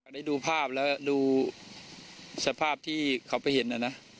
ได้ดูภาพแล้วดูสภาพที่เขาไปเห็นนะนะ